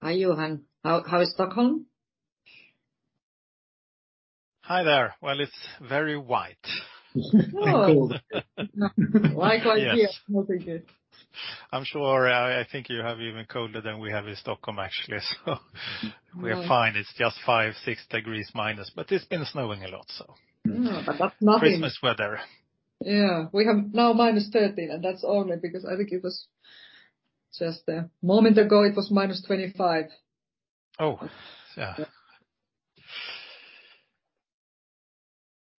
Hi, Johan. How is Stockholm? Hi there. Well, it's very white. Oh! Likewise here. Yes. Very good. I'm sure. I, I think you have even colder than we have in Stockholm, actually, so we're fine. It's just 5-6 degrees minus, but it's been snowing a lot, so- Mm. But that's nothing. Christmas weather. Yeah. We have now -13, and that's only because I think it was just a moment ago, it was -25. Oh, yeah.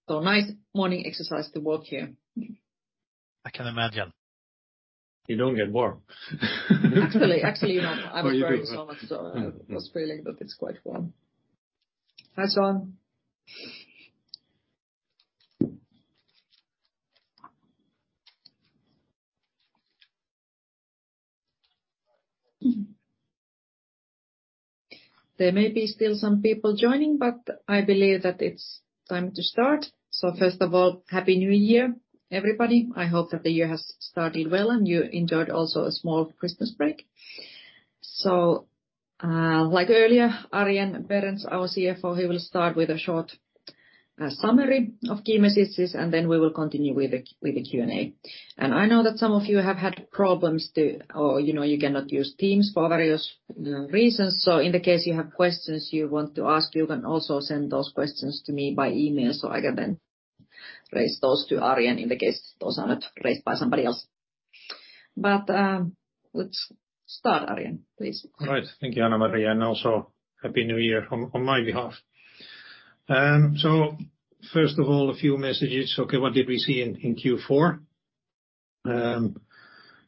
Nice morning exercise to walk here. I can imagine. You don't get warm. Actually, I was very solid, so I was feeling that it's quite warm. Hi, Sean. There may be still some people joining, but I believe that it's time to start. So first of all, Happy New Year, everybody. I hope that the year has started well, and you enjoyed also a small Christmas break. So, like earlier, Arjen Berends, our Chief Financial Officer, he will start with a short summary of key messages, and then we will continue with the Q&A. And I know that some of you have had problems to or, you know, you cannot use Teams for various reasons. So in the case you have questions you want to ask, you can also send those questions to me by email, so I can then raise those to Arjen in the case those are not raised by somebody else. Let's start, Arjen, please. All right. Thank you, Hanna-Maria, and also Happy New Year on my behalf. So first of all, a few messages. Okay, what did we see in Q4?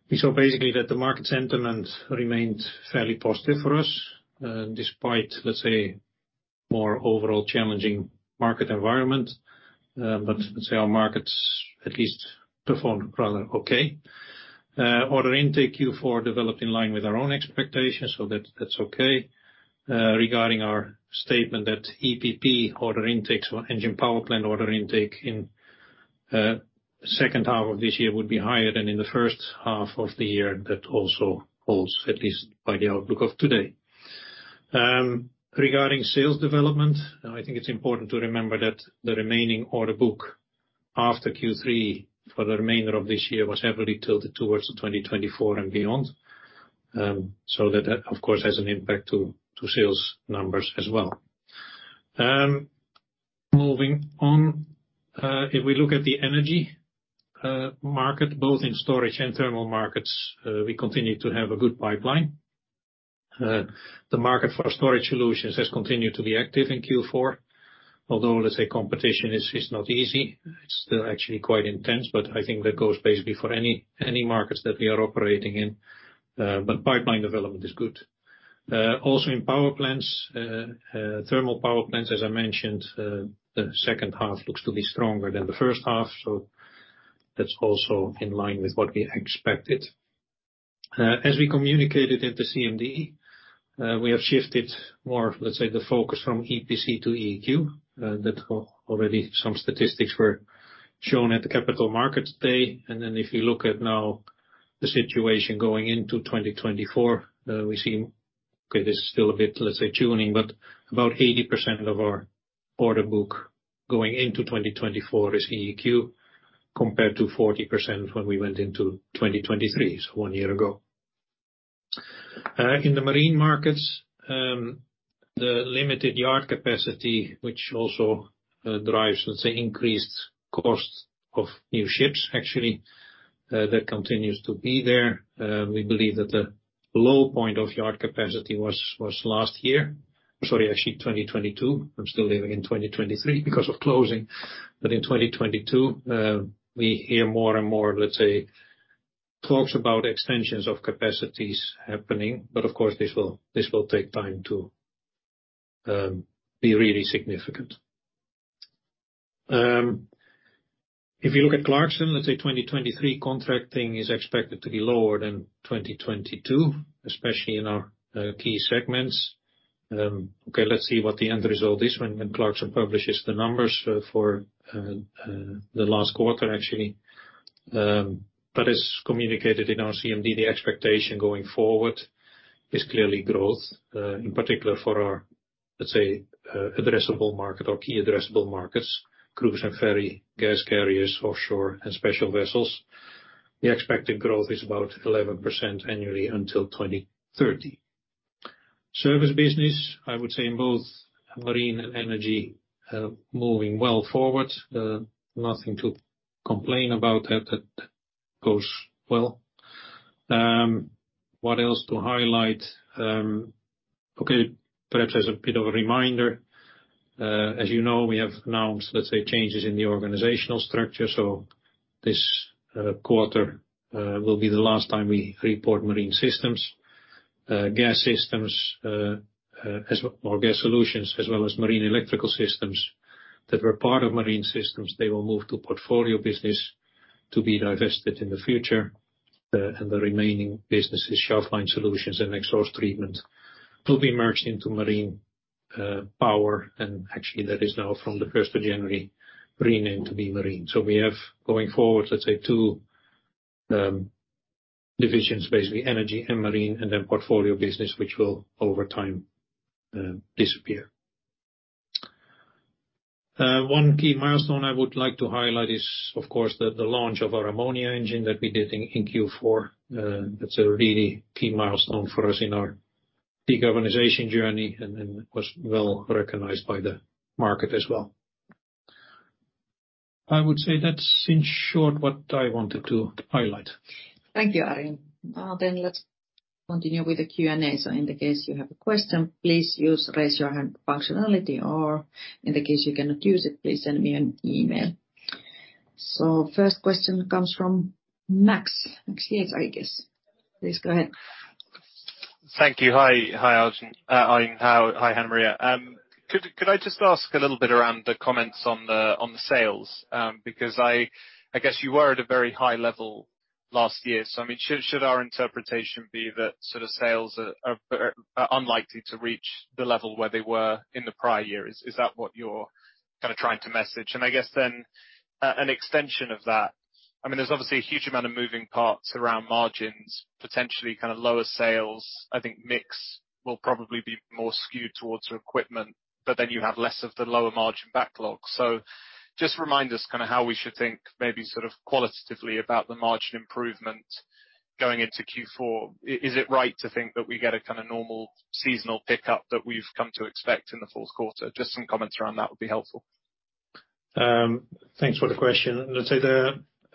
We saw basically that the market sentiment remained fairly positive for us, despite, let's say, more overall challenging market environment. But, let's say, our markets at least performed rather okay. Order intake Q4 developed in line with our own expectations, so that's okay. Regarding our statement that EPP order intakes or engine power plant order intake in second half of this year would be higher than in the first half of the year, that also holds, at least by the outlook of today. Regarding sales development, I think it's important to remember that the remaining order book after Q3 for the remainder of this year was heavily tilted towards 2024 and beyond. So that, of course, has an impact to sales numbers as well. Moving on, if we look at the energy market, both in storage and thermal markets, we continue to have a good pipeline. The market for storage solutions has continued to be active in Q4, although, let's say, competition is not easy. It's still actually quite intense, but I think that goes basically for any markets that we are operating in. But pipeline development is good. Also in power plants, thermal power plants, as I mentioned, the second half looks to be stronger than the first half, so that's also in line with what we expected. As we communicated at the CMD, we have shifted more, let's say, the focus from EPC to EEQ. That already some statistics were shown at the Capital Markets Day. Then if you look at now the situation going into 2024, we see, okay, there's still a bit, let's say, tuning, but about 80% of our order book going into 2024 is EEQ, compared to 40% when we went into 2023, so one year ago. In the marine markets, the limited yard capacity, which also drives, let's say, increased costs of new ships, actually, that continues to be there. We believe that the low point of yard capacity was last year. Sorry, actually 2022. I'm still living in 2023 because of closing. But in 2022, we hear more and more, let's say, talks about extensions of capacities happening. But of course, this will take time to be really significant. If you look at Clarkson, let's say 2023 contracting is expected to be lower than 2022, especially in our key segments. Okay, let's see what the end result is when Clarkson publishes the numbers for the last quarter, actually. But as communicated in our CMD, the expectation going forward is clearly growth, in particular for our, let's say, addressable market or key addressable markets, cruise and ferry, gas carriers, offshore, and special vessels. The expected growth is about 11% annually until 2030. Service business, I would say in both marine and energy, moving well forward. Nothing to complain about, that goes well. What else to highlight? Okay, perhaps as a bit of a reminder, as you know, we have announced, let's say, changes in the organizational structure, so this quarter will be the last time we report Marine Systems. Gas Solutions, as well as Marine Electrical Systems that were part of Marine Systems, they will move to Portfolio Business to be divested in the future. And the remaining businesses, Shaft Line Solutions and Exhaust Treatment, will be merged into Marine Power, and actually that is now from the first of January, renamed to be Marine. So we have, going forward, let's say, two divisions, basically, energy and marine, and then Portfolio Business, which will over time, disappear. One key milestone I would like to highlight is, of course, the launch of our ammonia engine that we did in Q4. That's a really key milestone for us in our decarbonization journey, and then it was well-recognized by the market as well. I would say that's in short, what I wanted to highlight. Thank you, Arjen. Then let's continue with the Q&A. In the case you have a question, please use raise your hand functionality, or in the case you cannot use it, please send me an email. First question comes from Max. Max Yates, I guess. Please go ahead. Thank you. Hi. Hi, Arjen. Hi, Hanna-Maria. Could I just ask a little bit around the comments on the sales? Because I guess you were at a very high level last year. So, I mean, should our interpretation be that sort of sales are unlikely to reach the level where they were in the prior year? Is that what you're kinda trying to message? And I guess then an extension of that, I mean, there's obviously a huge amount of moving parts around margins, potentially kind of lower sales. I think mix will probably be more skewed towards equipment, but then you have less of the lower margin backlog. So just remind us kind of how we should think, maybe sort of qualitatively, about the margin improvement going into Q4. Is it right to think that we get a kind of normal seasonal pickup that we've come to expect in the fourth quarter? Just some comments around that would be helpful. Thanks for the question.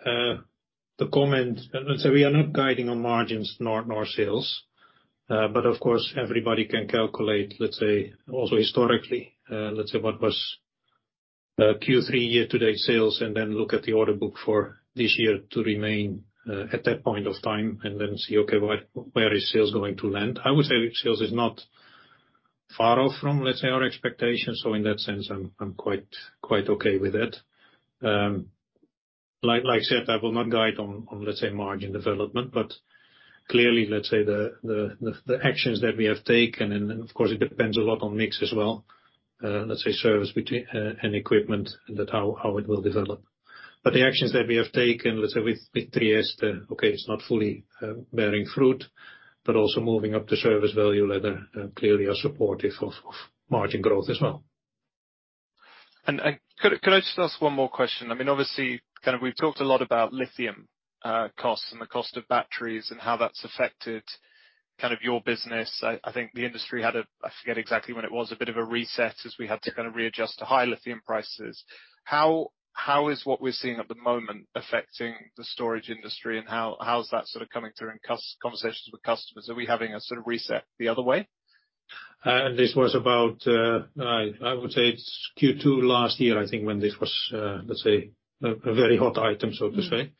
Let's say we are not guiding on margins, nor sales. But of course, everybody can calculate, let's say, also historically, let's say, what was Q3 year-to-date sales, and then look at the order book for this year to remain at that point of time, and then see, okay, where is sales going to land? I would say sales is not far off from, let's say, our expectations, so in that sense, I'm quite okay with it. Like I said, I will not guide on, let's say, margin development, but clearly, let's say, the actions that we have taken, and then, of course, it depends a lot on mix as well, let's say, service and equipment, and that how it will develop. But the actions that we have taken, let's say with Trieste, okay, it's not fully bearing fruit, but also moving up the service value ladder clearly are supportive of margin growth as well. Could I just ask one more question? I mean, obviously, kind of we've talked a lot about lithium costs and the cost of batteries and how that's affected kind of your business. I think the industry had a... I forget exactly when it was a bit of a reset, as we had to kind of readjust to high lithium prices. How is what we're seeing at the moment affecting the storage industry, and how is that sort of coming through in customer conversations with customers? Are we having a sort of reset the other way? This was about, I would say it's Q2 last year, I think, when this was, let's say, a very hot item, so to say.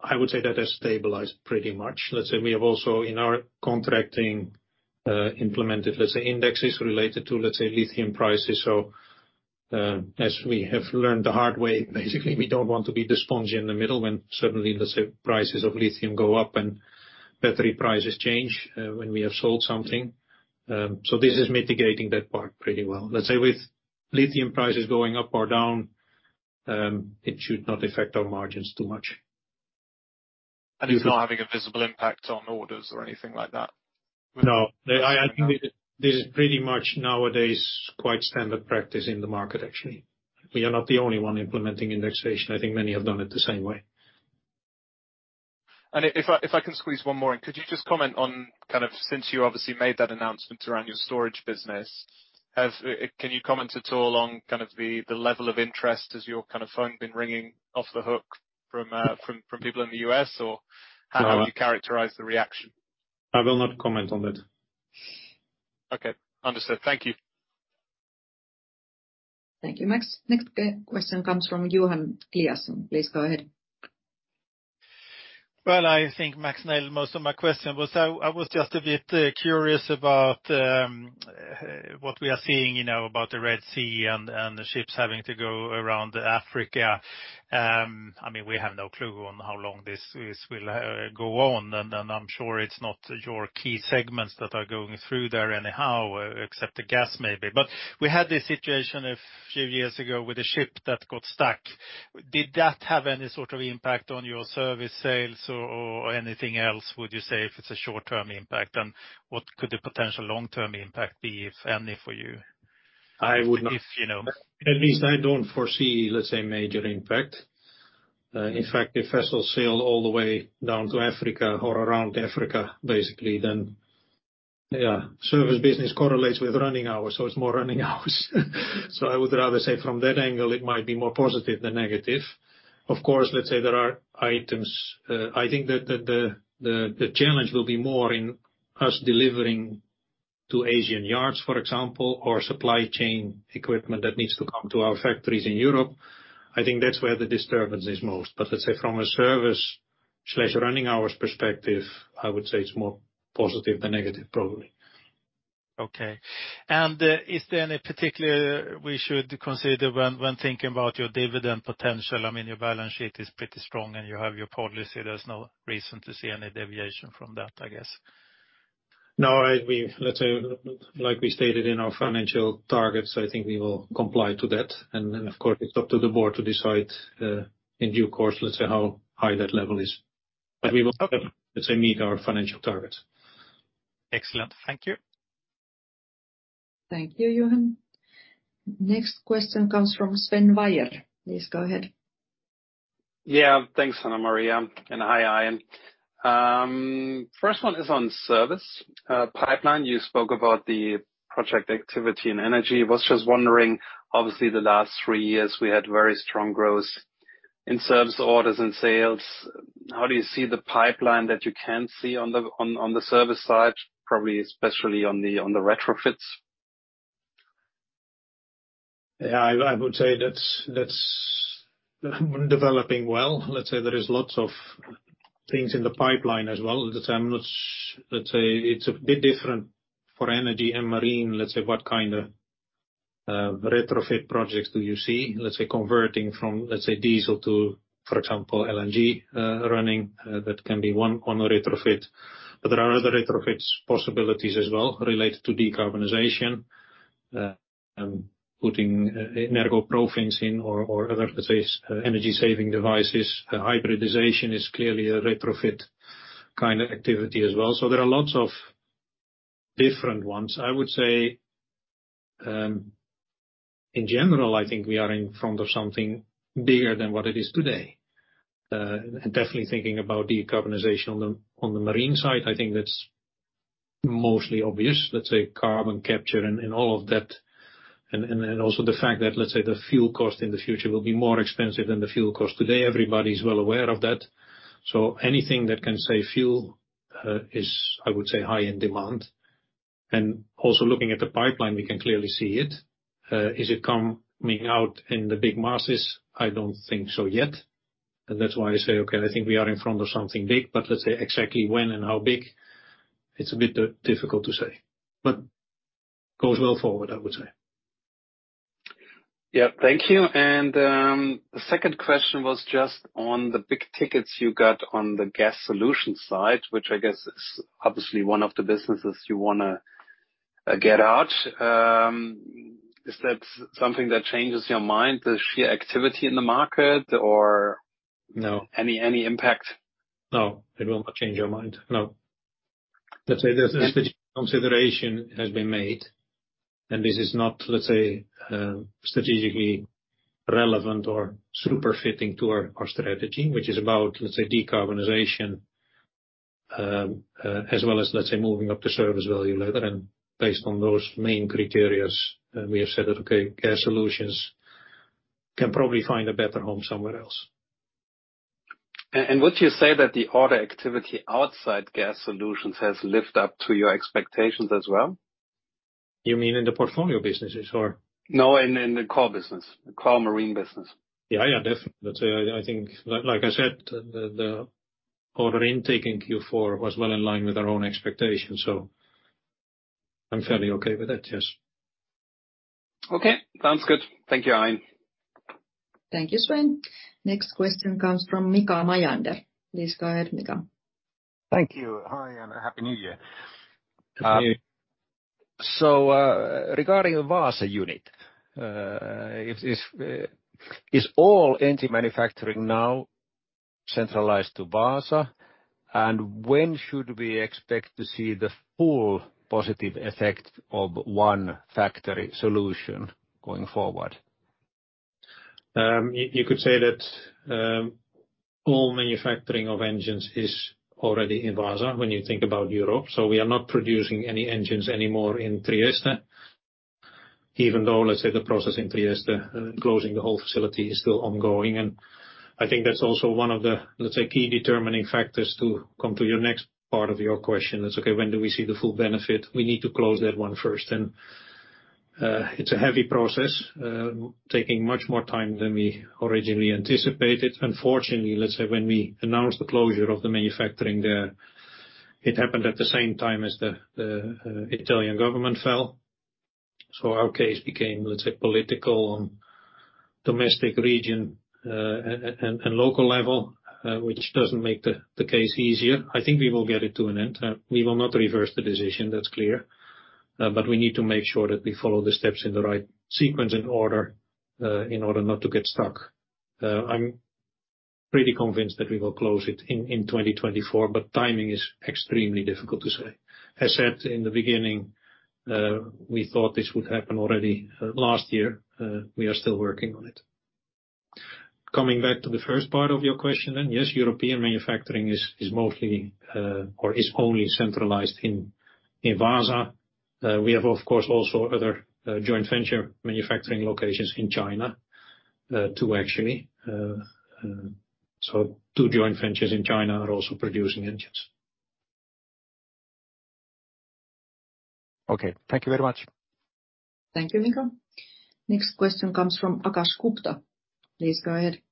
I would say that has stabilized pretty much. Let's say we have also, in our contracting, implemented, let's say, indexes related to, let's say, lithium prices. So, as we have learned the hard way, basically, we don't want to be the sponge in the middle when suddenly, let's say, prices of lithium go up and battery prices change, when we have sold something. So this is mitigating that part pretty well. Let's say with lithium prices going up or down, it should not affect our margins too much. It's not having a visible impact on orders or anything like that? No. I think this is pretty much nowadays quite standard practice in the market, actually. We are not the only one implementing indexation. I think many have done it the same way. If I can squeeze one more in, could you just comment on, kind of, since you obviously made that announcement around your storage business, can you comment at all on kind of the level of interest as your kind of phone been ringing off the hook from people in the U.S.? Or how would you characterize the reaction? I will not comment on that. Okay, understood. Thank you. Thank you, Max. Next question comes from Johan Eliasson. Please go ahead. Well, I think Max nailed most of my question, but I, I was just a bit, curious about, what we are seeing, you know, about the Red Sea and, and the ships having to go around Africa. I mean, we have no clue on how long this, this will, go on, and I'm sure it's not your key segments that are going through there anyhow, except the gas, maybe. But we had this situation a few years ago with a ship that got stuck. Did that have any sort of impact on your service sales or, or anything else? Would you say if it's a short-term impact, and what could the potential long-term impact be, if any, for you? I would- If you know. At least I don't foresee, let's say, major impact. In fact, if vessels sail all the way down to Africa or around Africa, basically, then yeah, service business correlates with running hours, so it's more running hours. So I would rather say from that angle, it might be more positive than negative. Of course, let's say there are items... I think that the challenge will be more in us delivering to Asian yards, for example, or supply chain equipment that needs to come to our factories in Europe. I think that's where the disturbance is most. But let's say from a service/running hours perspective, I would say it's more positive than negative, probably. Okay. And is there any particular we should consider when thinking about your dividend potential? I mean, your balance sheet is pretty strong, and you have your policy. There's no reason to see any deviation from that, I guess. No, I, we, let's say, like we stated in our financial targets, I think we will comply to that. And then, of course, it's up to the board to decide, in due course, let's say, how high that level is. But we will, let's say, meet our financial targets. Excellent. Thank you. Thank you, Johan. Next question comes from Sven Weier. Please go ahead. Yeah, thanks, Hanna-Maria, and hi, Arjen. First one is on service pipeline. You spoke about the project activity and energy. Was just wondering, obviously, the last three years, we had very strong growth in service orders and sales. How do you see the pipeline that you can see on the service side, probably especially on the retrofits? Yeah, I would say that's developing well. Let's say there is lots of things in the pipeline as well. At the time, let's say it's a bit different for energy and marine. Let's say, what kind of retrofit projects do you see? Let's say, converting from, let's say, diesel to, for example, LNG, running, that can be one on the retrofit. But there are other retrofits possibilities as well related to decarbonization, putting EnergoProFin in or, or other, let's say, energy-saving devices. Hybridization is clearly a retrofit kind of activity as well. So there are lots of different ones. I would say, in general, I think we are in front of something bigger than what it is today. And definitely thinking about decarbonization on the marine side, I think that's mostly obvious. Let's say, carbon capture and all of that. And then also the fact that, let's say, the fuel cost in the future will be more expensive than the fuel cost today. Everybody is well aware of that. So anything that can save fuel is, I would say, high in demand. And also looking at the pipeline, we can clearly see it. Is it coming out in the big masses? I don't think so yet, and that's why I say, okay, I think we are in front of something big, but let's say, exactly when and how big, it's a bit difficult to say. But goes well forward, I would say. Yeah, thank you. The second question was just on the big tickets you got on the Gas Solutions side, which I guess is obviously one of the businesses you wanna get out. Is that something that changes your mind, the sheer activity in the market, or- No. Any impact? No, it will not change our mind. No. Let's say there's a strategic consideration has been made, and this is not, let's say, strategically relevant or super fitting to our, our strategy, which is about, let's say, decarbonization, as well as, let's say, moving up the Service Value Ladder. And based on those main criteria, we have said that, okay, Gas solutions can probably find a better home somewhere else. Would you say that the order activity outside Gas Solutions has lived up to your expectations as well? You mean in the Portfolio Businesses or? No, in the core business, the core marine business. Yeah, yeah, definitely. Let's say, I think, like I said, the order intake in Q4 was well in line with our own expectations, so I'm fairly okay with that. Yes. Okay, sounds good. Thank you, Ein. Thank you, Sven. Next question comes from Mikael Doepel. Please go ahead, Mikael. Thank you. Hi, and a Happy New Year. Happy New Year. So, regarding the Vaasa unit, is all engine manufacturing now centralized to Vaasa? And when should we expect to see the full positive effect of one factory solution going forward? You could say that all manufacturing of engines is already in Vaasa when you think about Europe. So we are not producing any engines anymore in Trieste, even though, let's say, the process in Trieste closing the whole facility is still ongoing. And I think that's also one of the, let's say, key determining factors to come to your next part of your question. It's okay, when do we see the full benefit? We need to close that one first. And it's a heavy process taking much more time than we originally anticipated. Unfortunately, let's say, when we announced the closure of the manufacturing there, it happened at the same time as the Italian government fell. So our case became, let's say, political and domestic region and local level, which doesn't make the case easier. I think we will get it to an end. We will not reverse the decision, that's clear. But we need to make sure that we follow the steps in the right sequence and order, in order not to get stuck. I'm pretty convinced that we will close it in 2024, but timing is extremely difficult to say. I said in the beginning, we thought this would happen already, last year. We are still working on it. Coming back to the first part of your question, then, yes, European manufacturing is mostly, or is only centralized in Vaasa. We have, of course, also other joint venture manufacturing locations in China, two, actually. So two joint ventures in China are also producing engines. Okay. Thank you very much. Thank you, Mika. Next question comes from Akash Gupta. Please go ahead.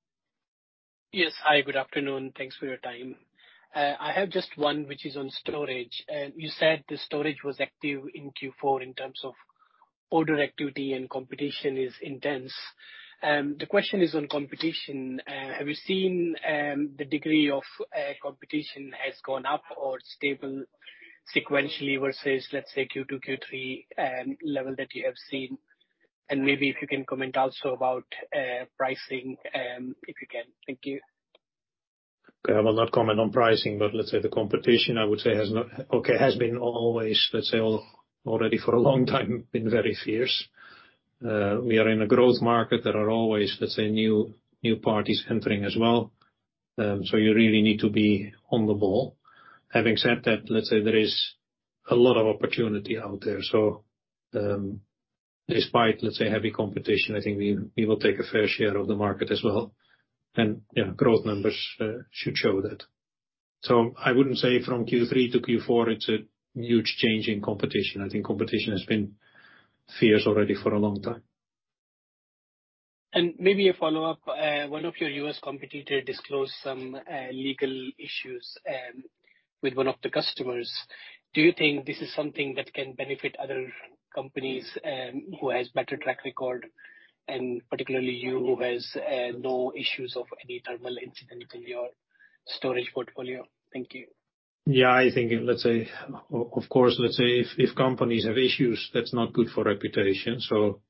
Yes. Hi, good afternoon. Thanks for your time. I have just one, which is on storage. You said the storage was active in Q4 in terms of order activity and competition is intense. The question is on competition. Have you seen the degree of competition has gone up or stable sequentially versus, let's say, Q2, Q3, level that you have seen? And maybe if you can comment also about pricing, if you can. Thank you. Okay. I will not comment on pricing, but let's say the competition, I would say, has been always, let's say, already for a long time, been very fierce. We are in a growth market. There are always, let's say, new parties entering as well, so you really need to be on the ball. Having said that, let's say there is a lot of opportunity out there, so, despite, let's say, heavy competition, I think we will take a fair share of the market as well. And, yeah, growth numbers should show that. So I wouldn't say from Q3 to Q4, it's a huge change in competition. I think competition has been fierce already for a long time. Maybe a follow-up. One of your U.S. competitor disclosed some legal issues with one of the customers. Do you think this is something that can benefit other companies who has better track record, and particularly you, who has no issues of any terminal incident in your storage portfolio? Thank you. Yeah, I think, let's say, of course, let's say if companies have issues, that's not good for reputation. So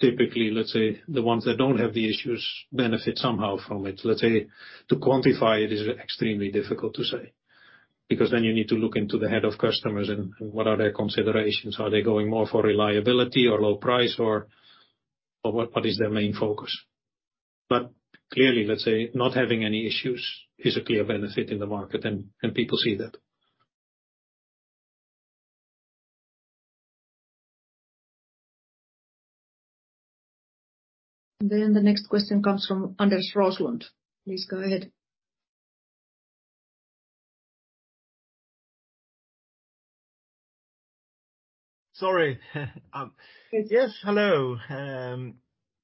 typically, let's say the ones that don't have the issues benefit somehow from it. Let's say, to quantify it is extremely difficult to say, because then you need to look into the head of customers and what are their considerations. Are they going more for reliability or low price or what is their main focus? But clearly, let's say, not having any issues is a clear benefit in the market, and people see that. Then the next question comes from Anders Roslund. Please go ahead. Sorry. Yes, hello.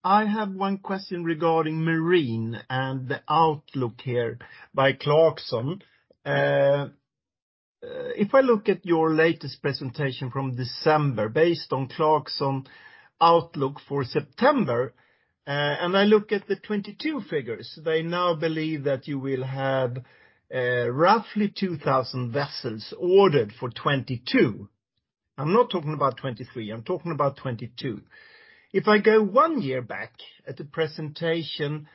I have one question regarding marine and the outlook here by Clarkson. If I look at your latest presentation from December, based on Clarkson outlook for September, and I look at the 2022 figures, they now believe that you will have roughly 2,000 vessels ordered for 2022. I'm not talking about 2023, I'm talking about 2022. If I go one year back at the presentation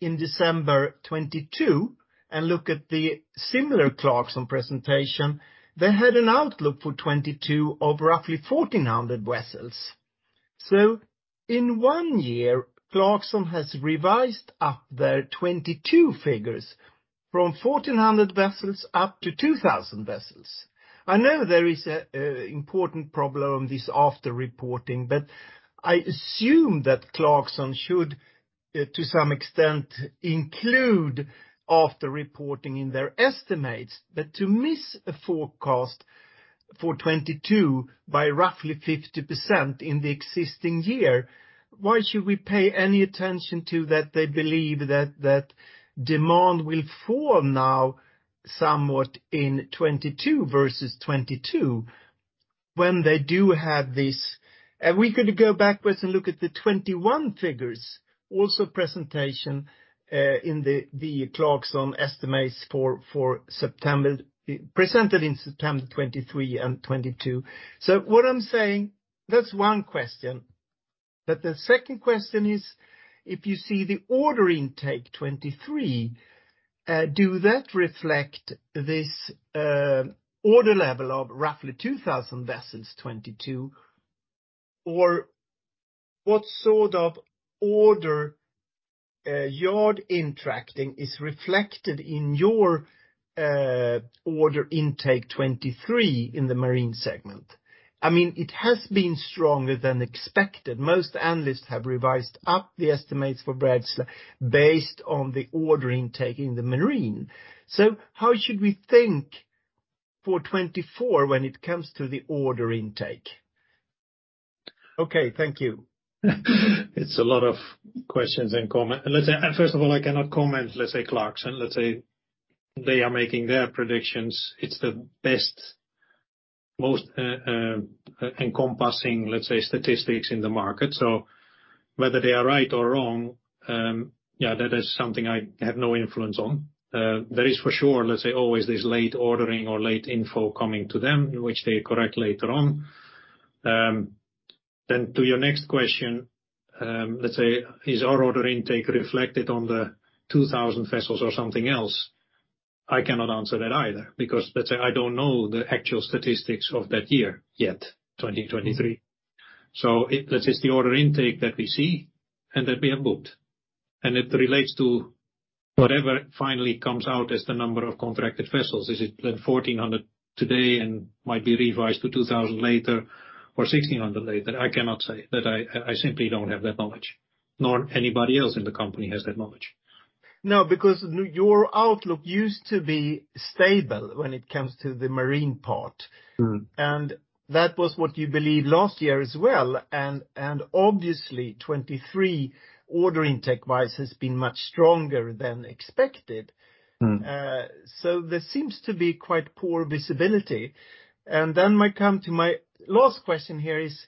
in December 2022, and look at the similar Clarkson presentation, they had an outlook for 2022 of roughly 1,400 vessels. So in one year, Clarkson has revised up their 2022 figures from 1,400 vessels up to 2,000 vessels. I know there is a important problem, this after reporting, but I assume that Clarkson should, to some extent, include after reporting in their estimates. But to miss a forecast for 2022 by roughly 50% in the existing year, why should we pay any attention to that they believe that, that demand will fall now somewhat in 2022 versus 2022 when they do have this... We could go backwards and look at the 2021 figures, also presentation, in the, the Clarksons estimates for, for September, presented in September 2023 and 2022. So what I'm saying, that's one question. But the second question is, if you see the order intake 2023, do that reflect this, order level of roughly 2,000 vessels, 2022? Or what sort of order, yard interacting is reflected in your, order intake 2023 in the marine segment? I mean, it has been stronger than expected. Most analysts have revised up the estimates for Braemar based on the order intake in the marine. How should we think for 2024 when it comes to the order intake? Okay, thank you. It's a lot of questions and comment. Let's say, first of all, I cannot comment, let's say, Clarkson. Let's say they are making their predictions. It's the best, most, encompassing, let's say, statistics in the market. So whether they are right or wrong, yeah, that is something I have no influence on. There is for sure, let's say, always this late ordering or late info coming to them, which they correct later on. Then to your next question, let's say, is our order intake reflected on the 2,000 vessels or something else? I cannot answer that either, because, let's say, I don't know the actual statistics of that year yet, 2023. So it, let's say it's the order intake that we see and that we have booked, and it relates to whatever finally comes out as the number of contracted vessels. Is it the 1,400 today and might be revised to 2,000 later or 1,600 later? I cannot say. That I, I simply don't have that knowledge, nor anybody else in the company has that knowledge. ... No, because your outlook used to be stable when it comes to the marine part. Mm. That was what you believed last year as well. And obviously, 2023 order intake-wise, has been much stronger than expected. Mm. So there seems to be quite poor visibility. And then my last question here is: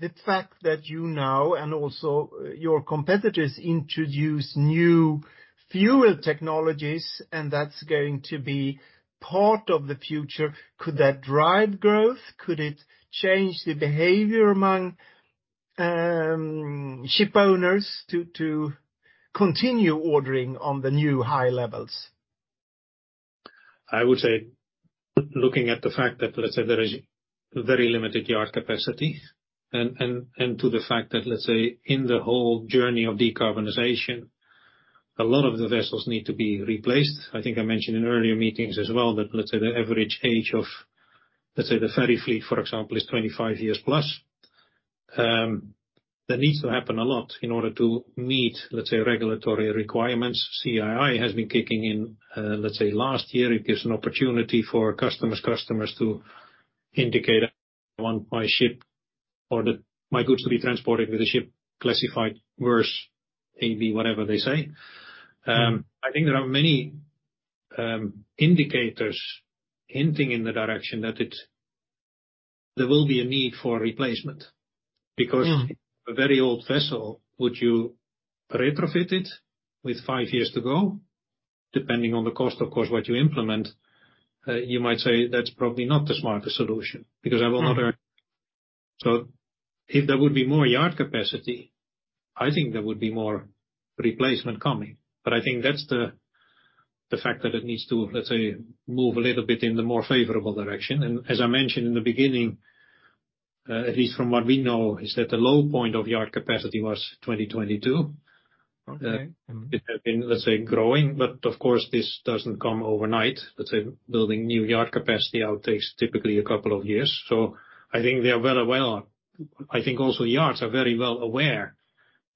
the fact that you now, and also your competitors, introduce new fuel technologies, and that's going to be part of the future, could that drive growth? Could it change the behavior among shipowners to continue ordering on the new high levels? I would say, looking at the fact that, let's say, there is very limited yard capacity and to the fact that, let's say, in the whole journey of decarbonization, a lot of the vessels need to be replaced. I think I mentioned in earlier meetings as well, that, let's say, the average age of, let's say, the ferry fleet, for example, is 25+ years. There needs to happen a lot in order to meet, let's say, regulatory requirements. CII has been kicking in last year. It gives an opportunity for customers to indicate, I want my ship or my goods to be transported with a ship classified worse, AB, whatever they say. I think there are many indicators hinting in the direction that there will be a need for a replacement. Mm. Because a very old vessel, would you retrofit it with five years to go? Depending on the cost, of course, what you implement, you might say, that's probably not the smartest solution, because I will not- Mm. So if there would be more yard capacity, I think there would be more replacement coming. But I think that's the fact that it needs to, let's say, move a little bit in the more favorable direction. And as I mentioned in the beginning, at least from what we know, is that the low point of yard capacity was 2022. Okay. Mm-hmm. It has been, let's say, growing, but of course, this doesn't come overnight. Let's say, building new yard capacity out takes typically a couple of years. So I think they are very well... I think also yards are very well aware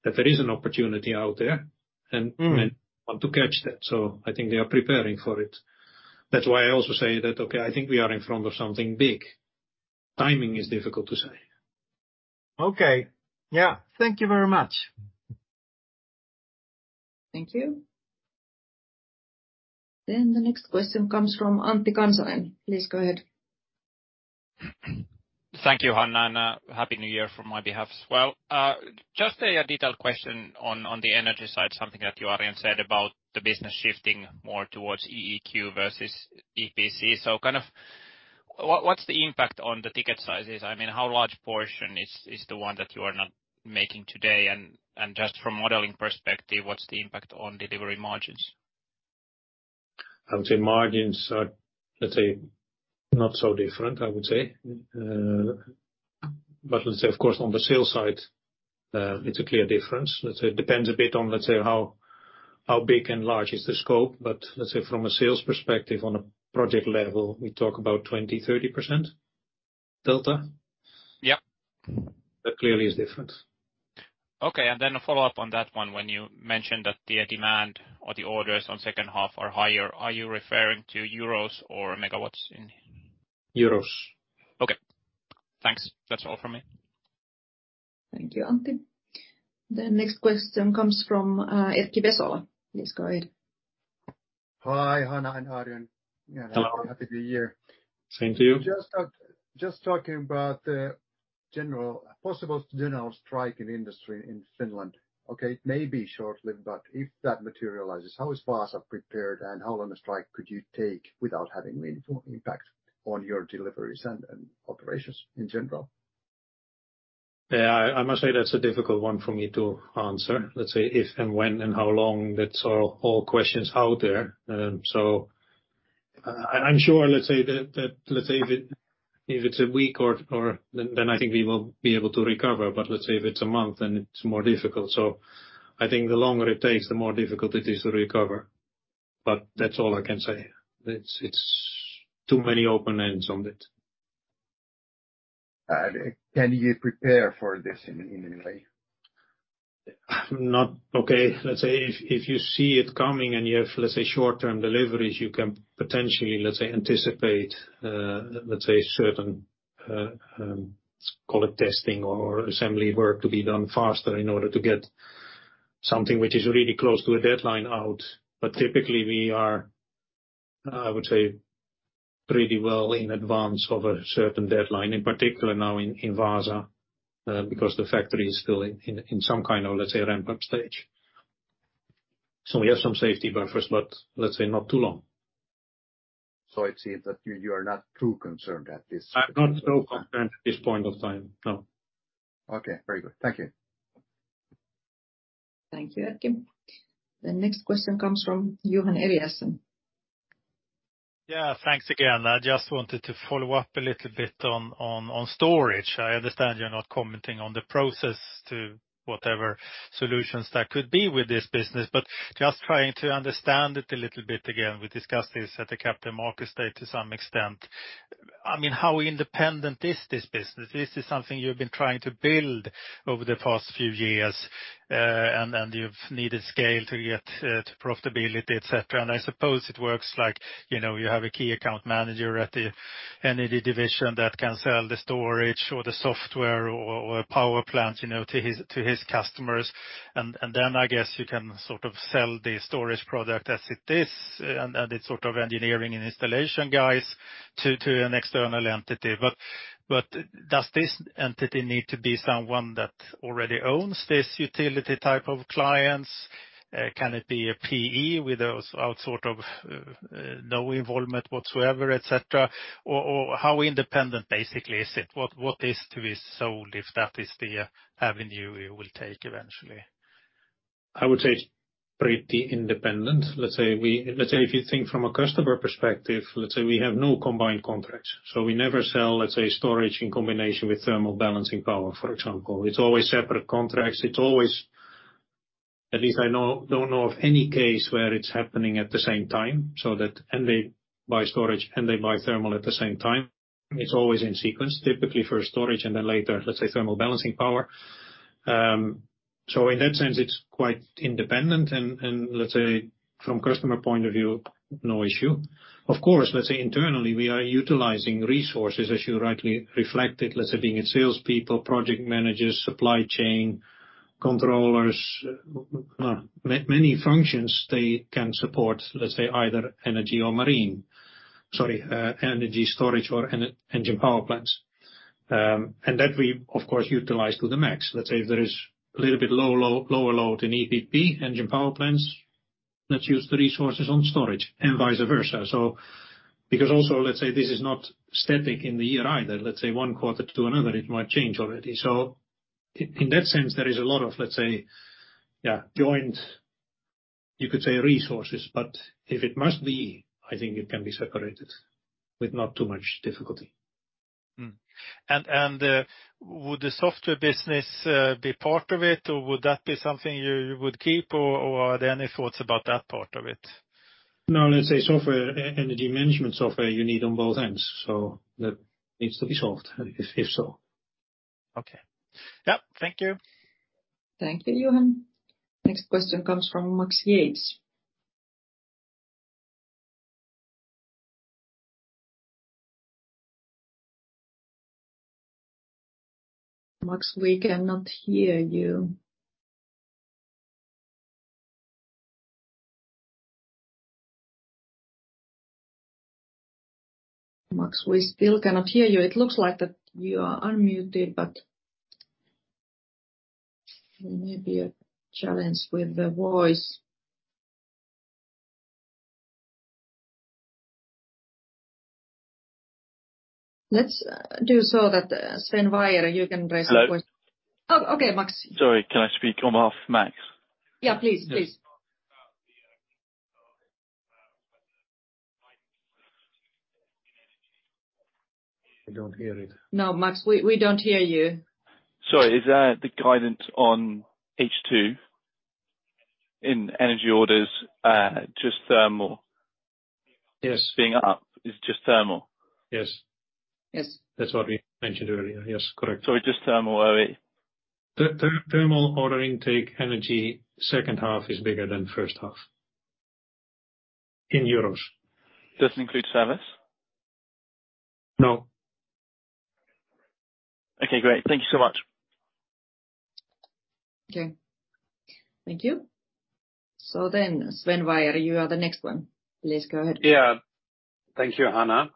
that there is an opportunity out there- Mm and want to catch that. So I think they are preparing for it. That's why I also say that, okay, I think we are in front of something big. Timing is difficult to say. Okay. Yeah. Thank you very much. Thank you. Then the next question comes from Antti Kansanen. Please go ahead. Thank you, Hanna, and happy New Year from my behalf as well. Just a detailed question on the energy side, something that you, Arjen, said about the business shifting more towards EEQ versus EPC. So kind of what’s the impact on the ticket sizes? I mean, how large portion is the one that you are not making today? And just from modeling perspective, what’s the impact on delivery margins? I would say margins are, let's say, not so different, I would say. But let's say, of course, on the sales side, it's a clear difference. Let's say, it depends a bit on, let's say, how big and large is the scope, but let's say from a sales perspective, on a project level, we talk about 20%-30% delta. Yeah. That clearly is different. Okay, and then a follow-up on that one. When you mentioned that the demand or the orders on second half are higher, are you referring to euros or megawatts in? Euros. Okay. Thanks. That's all from me. Thank you, Antti. The next question comes from Erkki Vesola. Please go ahead. Hi, Hanna and Arjen. Hello. Happy New Year. Same to you. Just, just talking about the general, possible general strike in industry in Finland. Okay, it may be short-lived, but if that materializes, how is Wärtsilä prepared, and how long a strike could you take without having meaningful impact on your deliveries and operations in general? Yeah, I must say that's a difficult one for me to answer. Let's say, if and when and how long, that's all questions out there. So, I'm sure, let's say that, let's say if it's a week or... Then I think we will be able to recover. But, let's say, if it's a month, then it's more difficult. So I think the longer it takes, the more difficult it is to recover. But that's all I can say. It's too many open ends on it. Can you prepare for this in any way? Okay, let's say if, if you see it coming and you have, let's say, short-term deliveries, you can potentially, let's say, anticipate, let's say, certain, call it testing or assembly work to be done faster in order to get something which is really close to a deadline out. But typically, we are, I would say, pretty well in advance of a certain deadline, in particular now in, in Wärtsilä, because the factory is still in, in some kind of, let's say, a ramp-up stage. So we have some safety buffers, but let's say, not too long. So it seems that you are not too concerned at this- Not so concerned at this point of time, no. Okay, very good. Thank you. Thank you, Erkki. The next question comes from Johan Eliason. Yeah, thanks again. I just wanted to follow up a little bit on, on, on storage. I understand you're not commenting on the process to whatever solutions that could be with this business, but just trying to understand it a little bit again. We discussed this at the Capital Markets Day to some extent. I mean, how independent is this business? This is something you've been trying to build over the past few years, and, and you've needed scale to get, to profitability, et cetera. I suppose it works like, you know, you have a key account manager at the energy division that can sell the storage or the software or a power plant, you know, to his customers, and then, I guess you can sort of sell the storage product as it is, and it's sort of engineering and installation guys to an external entity. But does this entity need to be someone that already owns this utility type of clients? Can it be a PE with those out, sort of, no involvement whatsoever, et cetera? Or how independent basically is it? What is to be sold, if that is the avenue you will take eventually? I would say it's pretty independent. Let's say if you think from a customer perspective, let's say we have no combined contracts, so we never sell, let's say, storage in combination with thermal balancing power, for example. It's always separate contracts. It's always... At least don't know of any case where it's happening at the same time, so that and they buy storage, and they buy thermal at the same time. It's always in sequence, typically for storage and then later, let's say, thermal balancing power. So in that sense, it's quite independent and let's say from customer point of view, no issue. Of course, let's say internally, we are utilizing resources, as you rightly reflected, let's say, be it salespeople, project managers, supply chain, controllers, many functions they can support, let's say either energy or marine. Sorry, energy storage or engine power plants. That we, of course, utilize to the max. Let's say if there is a little bit lower load in EPP, engine power plants, let's use the resources on storage and vice versa. Because also, let's say this is not static in the year either. Let's say one quarter to another, it might change already. So in that sense, there is a lot of, let's say, yeah, joint, you could say, resources, but if it must be, I think it can be separated with not too much difficulty. Would the software business be part of it, or would that be something you would keep, or are there any thoughts about that part of it? No, let's say software, energy management software you need on both ends, so that needs to be solved, if so. Okay. Yep, thank you. Thank you, Johan. Next question comes from Max Yates. Max, we cannot hear you. Max, we still cannot hear you. It looks like that you are unmuted, but there may be a challenge with the voice. Let's do so that, Sven Weier, you can raise a question. Hello. Oh, okay, Max. Sorry, can I speak on behalf of Max? Yeah, please, please. I don't hear it. No, Max, we don't hear you. Sorry, is the guidance on H2 in energy orders just thermal? Yes. Being up is just thermal? Yes. Yes. That's what we mentioned earlier. Yes, correct. So just thermal, are we? Thermal order intake energy, second half is bigger than first half in euros. Does it include service? No. Okay, great. Thank you so much. Okay. Thank you. So then, Sven Weier, you are the next one. Please go ahead. Yeah. Thank you, Hanna.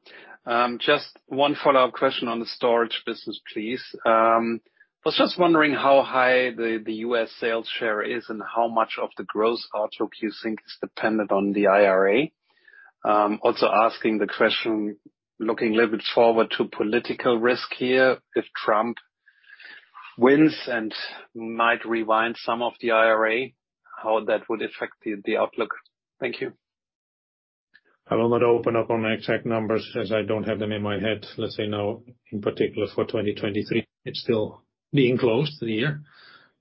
Just one follow-up question on the storage business, please. I was just wondering how high the U.S. sales share is and how much of the growth outlook you think is dependent on the IRA. Also asking the question, looking a little bit forward to political risk here, if Trump wins and might rewind some of the IRA, how that would affect the outlook? Thank you. I will not open up on the exact numbers, as I don't have them in my head, let's say now, in particular for 2023. It's still being closed, the year.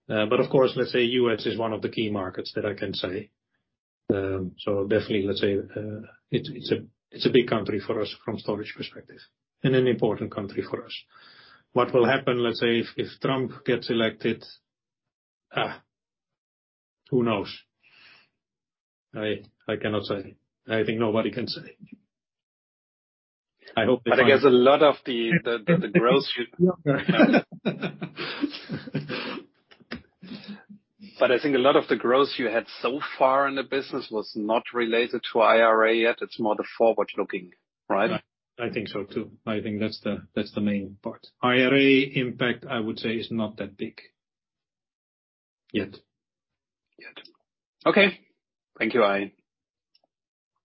But of course, let's say US is one of the key markets that I can say. So definitely, let's say, it's a big country for us from storage perspective, and an important country for us. What will happen, let's say, if Trump gets elected, who knows? I cannot say. I think nobody can say. I hope he- But I think a lot of the growth you had so far in the business was not related to IRA yet. It's more the forward-looking, right? I think so, too. I think that's the, that's the main part. IRA impact, I would say, is not that big. Yet. Yet. Okay. Thank you. Bye.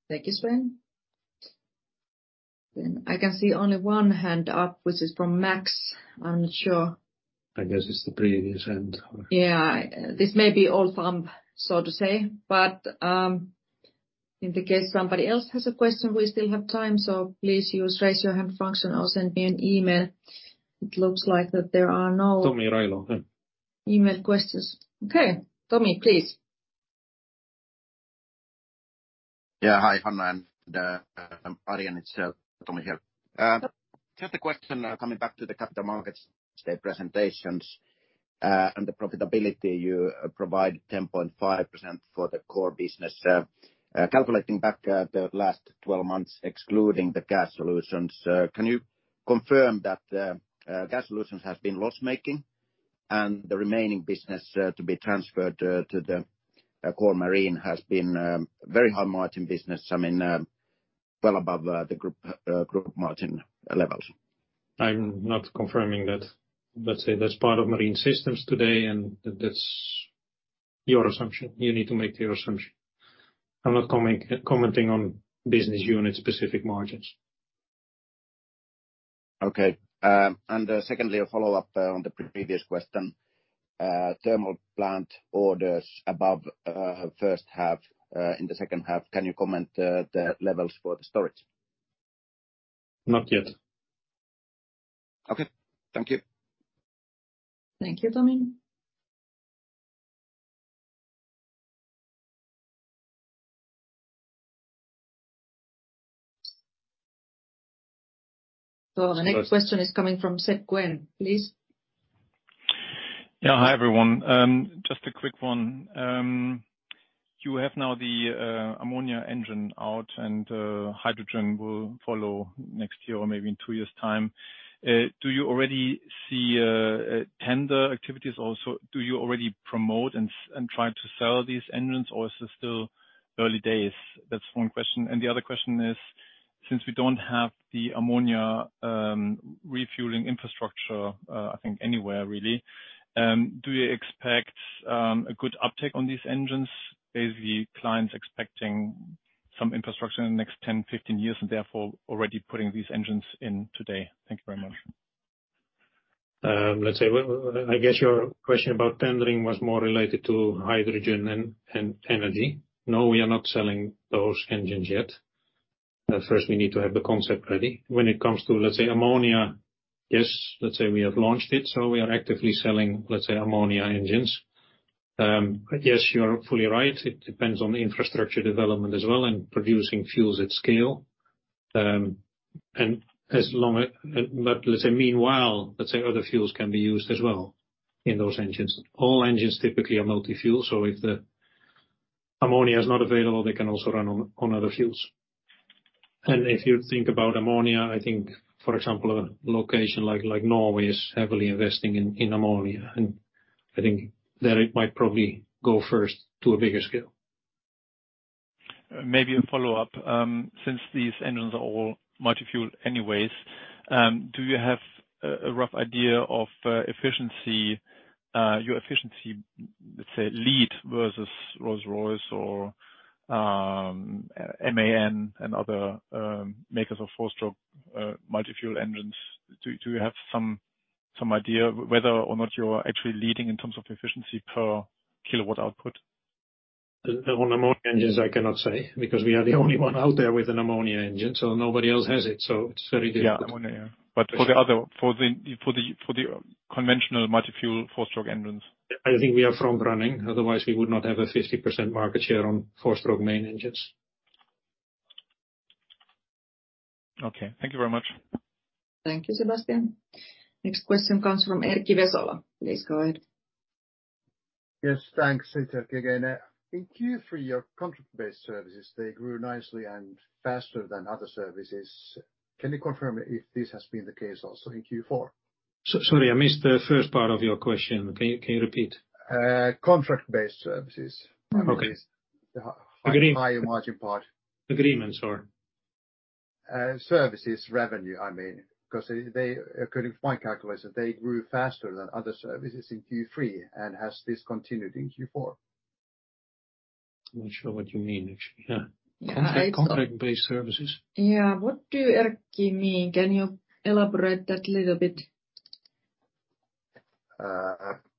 Thank you, Sven. Then I can see only one hand up, which is from Max. I'm not sure. I guess it's the previous hand. Yeah, this may be all thumb, so to say, but in the case somebody else has a question, we still have time, so please use raise your hand function or send me an email. It looks like that there are no- Tomi Railo. Email questions. Okay, Tomi, please. ... Yeah, hi, Hanna and Arjen, and it's Tomi here. Just a question coming back to the Capital Markets Day presentations and the profitability. You provide 10.5% for the core business. Calculating back the last 12 months, excluding the Gas Solutions, can you confirm that the Gas Solutions has been loss-making, and the remaining business to be transferred to the core Marine has been very high margin business, I mean, well above the group group margin levels? I'm not confirming that. Let's say, that's part of Marine Systems today, and that's your assumption. You need to make your assumption. I'm not commenting on business unit-specific margins. Okay. And secondly, a follow-up on the previous question. Thermal plant orders above first half in the second half, can you comment the levels for the storage? Not yet. Okay. Thank you. Thank you, Tomi. So the next question is coming from Sebastian Kuenne. Please. Yeah, hi, everyone. Just a quick one. You have now the ammonia engine out, and hydrogen will follow next year or maybe in two years' time. Do you already see tender activities also? Do you already promote and try to sell these engines, or is it still early days? That's one question. And the other question is, since we don't have the ammonia refueling infrastructure, I think anywhere really, do you expect a good uptake on these engines? Is the clients expecting some infrastructure in the next ten, fifteen years and therefore already putting these engines in today? Thank you very much. Let's say, I guess your question about tendering was more related to hydrogen and energy. No, we are not selling those engines yet. First, we need to have the concept ready. When it comes to, let's say, ammonia, yes, let's say we have launched it, so we are actively selling, let's say, ammonia engines. But yes, you are fully right. It depends on the infrastructure development as well and producing fuels at scale. And as long as... But, let's say, meanwhile, let's say other fuels can be used as well in those engines. All engines typically are multi-fuel, so if the ammonia is not available, they can also run on other fuels. If you think about ammonia, I think, for example, a location like, like Norway is heavily investing in, in ammonia, and I think there, it might probably go first to a bigger scale. Maybe a follow-up. Since these engines are all multi-fuel anyways, do you have a rough idea of efficiency, your efficiency, let's say, lead versus Rolls-Royce or MAN and other makers of four-stroke multi-fuel engines? Do you have some idea whether or not you're actually leading in terms of efficiency per kilowatt output? On Ammonia engines, I cannot say, because we are the only one out there with an Ammonia engine, so nobody else has it, so it's very difficult. Yeah, ammonia, yeah. But for the other—for the conventional multi-fuel four-stroke engines. I think we are front-running, otherwise we would not have a 50% market share on four-stroke main engines. Okay. Thank you very much. Thank you, Sebastian. Next question comes from Erkki Vesola. Please go ahead. Yes, thanks. It's Erkki again. In Q3, your contract-based services, they grew nicely and faster than other services. Can you confirm if this has been the case also in Q4? Sorry, I missed the first part of your question. Can you, can you repeat? Contract-based services. Okay. The h- Agre- higher margin part. Agreements, sorry. Services revenue, I mean, because they, according to my calculation, they grew faster than other services in Q3, and has this continued in Q4? I'm not sure what you mean, actually. Yeah. Yeah, I- Contract-based services. Yeah. What do Erkki mean? Can you elaborate that little bit?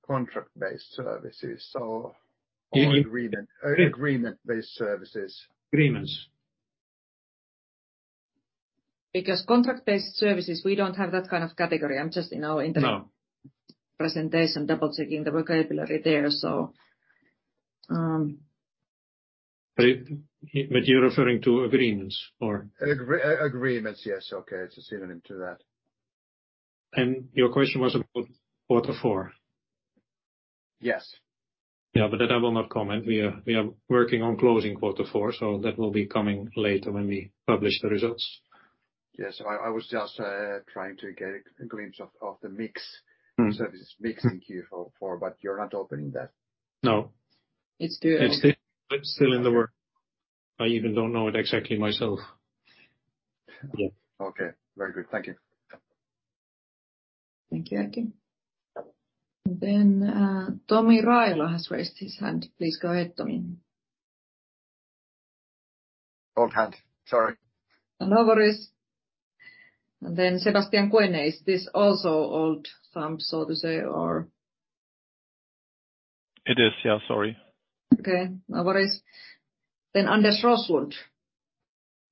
contract-based services or- Ag- or agreement, or agreement-based services. Agreements. Because contract-based services, we don't have that kind of category. I'm just in our internet- No... presentation, double-checking the vocabulary there. So- But you're referring to agreements or? Agreements, yes, okay. It's a synonym to that. Your question was about Quarter 4? Yes. Yeah, but that I will not comment. We are, we are working on closing Quarter 4, so that will be coming later when we publish the results. Yes, I was just trying to get a glimpse of the mix- Mm-hmm... services mix in Q4, but you're not opening that. No. It's still- It's still, still in the work. I even don't know it exactly myself. Yeah. Okay, very good. Thank you. Thank you, Erkki. Then, Tomi Railo has raised his hand. Please go ahead, Tomi. Old hand. Sorry. No worries. And then Sebastian Kuenne, is this also rule of thumb, so to speak, or? It is, yeah. Sorry. Okay, no worries. Then Anders Roslund?...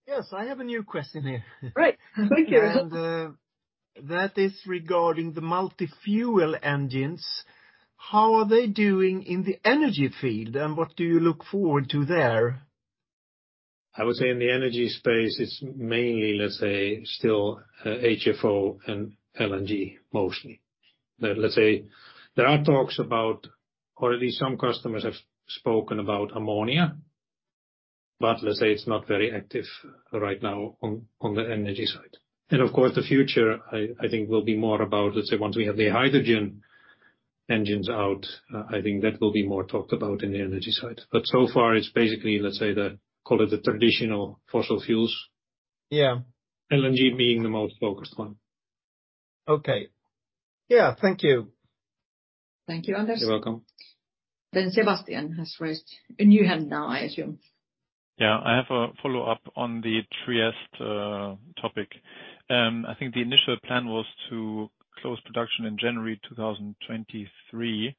Yes, I have a new question here. Great. Thank you. That is regarding the multi-fuel engines. How are they doing in the energy field, and what do you look forward to there? I would say in the energy space, it's mainly, let's say, still, HFO and LNG, mostly. But let's say, there are talks about, or at least some customers have spoken about ammonia, but let's say it's not very active right now on, on the energy side. And of course, the future, I, I think, will be more about, let's say, once we have the hydrogen engines out, I think that will be more talked about in the energy side. But so far, it's basically, let's say, call it the traditional fossil fuels. Yeah. LNG being the most focused one. Okay. Yeah, thank you. Thank you, Anders. You're welcome. Then Sebastian has raised a new hand now, I assume. Yeah. I have a follow-up on the Trieste topic. I think the initial plan was to close production in January 2023.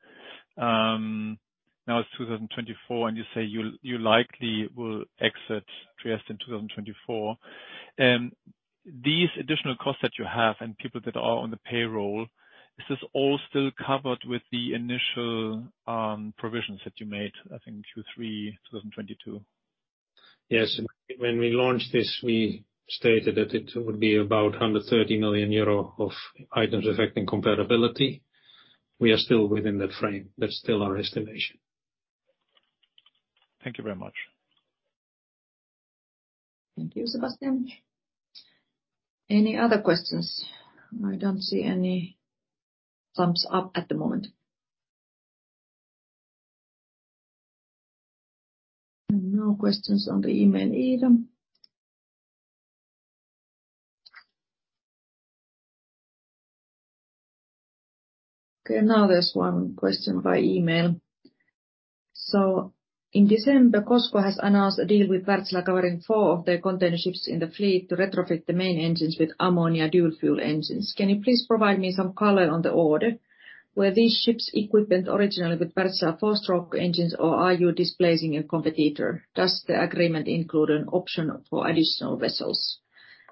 Now it's 2024, and you say you'll, you likely will exit Trieste in 2024. These additional costs that you have, and people that are on the payroll, is this all still covered with the initial provisions that you made, I think, Q3, 2022? Yes. When we launched this, we stated that it would be about 130 million euro of items affecting comparability. We are still within that frame. That's still our estimation. Thank you very much. Thank you, Sebastian. Any other questions? I don't see any thumbs up at the moment. No questions on the email either. Okay, now there's one question by email. In December, COSCO has announced a deal with Wärtsilä, covering four of their container ships in the fleet to retrofit the main engines with ammonia dual fuel engines. Can you please provide me some color on the order? Were these ships equipped originally with Wärtsilä four-stroke engines, or are you displacing a competitor? Does the agreement include an option for additional vessels?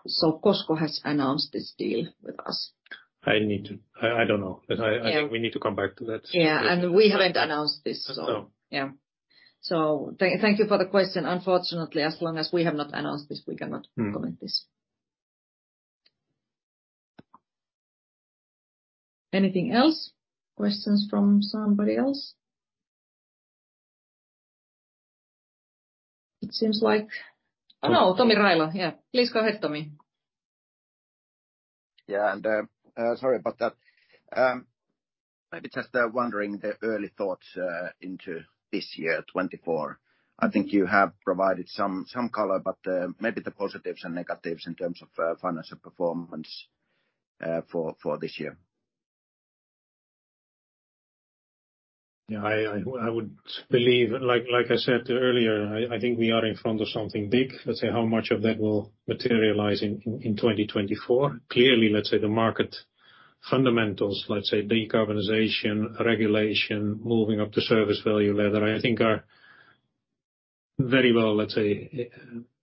So COSCO has announced this deal with us. I don't know. Yeah. But I think we need to come back to that. Yeah, and we haven't announced this, so- No. Yeah. So thank you for the question. Unfortunately, as long as we have not announced this, we cannot- Mm... comment this. Anything else? Questions from somebody else? It seems like- Oh, no, Tomi Railo. Yeah, please go ahead, Tomi. Yeah, and sorry about that. Maybe just wondering the early thoughts into this year, 2024. I think you have provided some color, but maybe the positives and negatives in terms of financial performance for this year. Yeah, I would believe, like I said earlier, I think we are in front of something big. Let's see how much of that will materialize in 2024. Clearly, the market fundamentals, let's say, decarbonization, regulation, moving up the service value ladder, I think are very well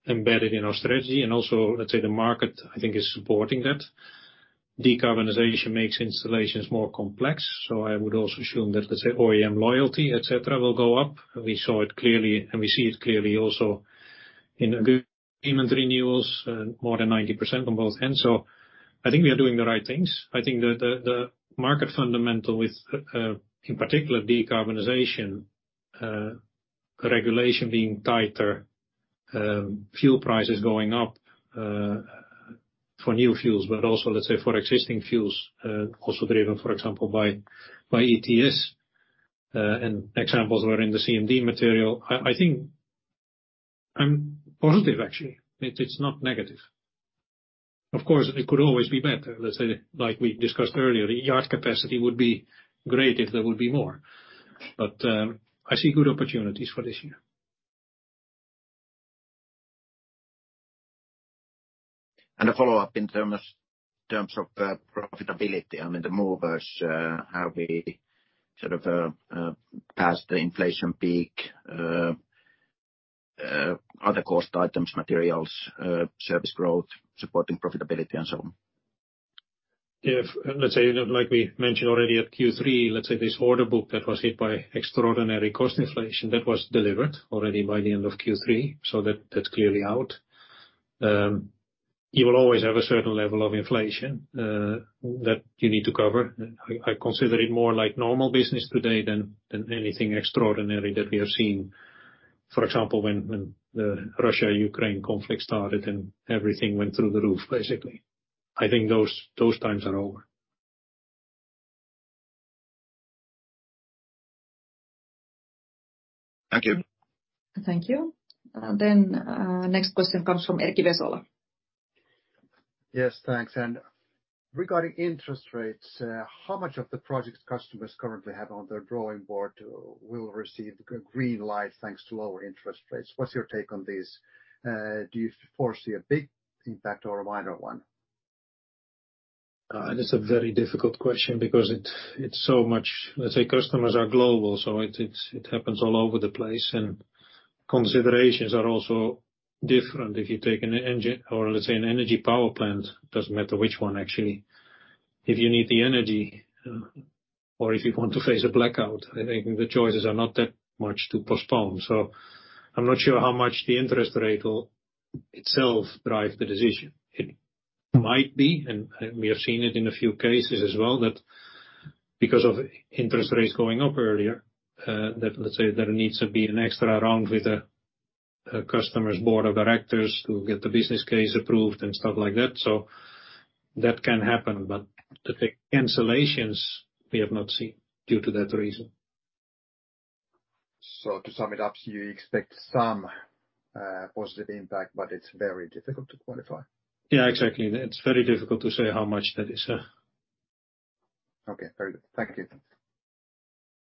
embedded in our strategy. And also, the market, I think, is supporting that. Decarbonization makes installations more complex, so I would also assume that, OEM loyalty, et cetera, will go up. We saw it clearly, and we see it clearly also in agreement renewals, more than 90% on both ends. So I think we are doing the right things. I think the market fundamental with in particular decarbonization regulation being tighter fuel prices going up for new fuels but also let's say for existing fuels also driven for example by ETS and examples were in the CMD material. I think I'm positive, actually. It's not negative. Of course, it could always be better. Let's say, like we discussed earlier, yard capacity would be great if there would be more. But I see good opportunities for this year. And a follow-up in terms of profitability. I mean, the movers, have we sort of passed the inflation peak? Other cost items, materials, service growth, supporting profitability, and so on. Let's say, like we mentioned already at Q3, let's say, this order book that was hit by extraordinary cost inflation, that was delivered already by the end of Q3, so that's clearly out. You will always have a certain level of inflation that you need to cover. I consider it more like normal business today than anything extraordinary that we have seen, for example, when the Russia-Ukraine conflict started, and everything went through the roof, basically. I think those times are over. Thank you. Thank you. Then, next question comes from Erkki Vesola. Yes, thanks. And regarding interest rates, how much of the projects customers currently have on their drawing board will receive a green light, thanks to lower interest rates? What's your take on this? Do you foresee a big impact or a minor one? That's a very difficult question because it, it's so much... Let's say customers are global, so it happens all over the place, and considerations are also different. If you take an engine, or let's say an engine power plant, doesn't matter which one, actually, if you need the energy, or if you want to face a blackout, I think the choices are not that much to postpone. So I'm not sure how much the interest rate will itself drive the decision. It might be, and we have seen it in a few cases as well, that because of interest rates going up earlier, that, let's say, there needs to be an extra round with the customers' board of directors to get the business case approved and stuff like that. That can happen, but the cancellations, we have not seen due to that reason. So to sum it up, you expect some positive impact, but it's very difficult to quantify? Yeah, exactly. It's very difficult to say how much that is. Okay. Very good. Thank you.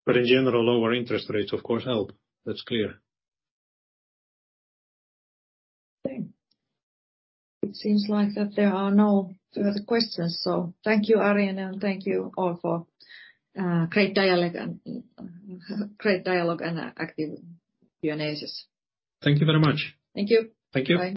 In general, lower interest rates, of course, help. That's clear. Okay. It seems like there are no further questions, so thank you, Arjen, and thank you all for great dialogue and active Q&As. Thank you very much. Thank you. Thank you. Bye.